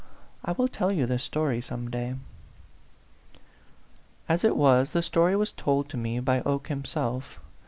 I will tell you the story some day." As it was, the story was told to me by Oke himself.